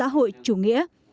hội chủ nghĩa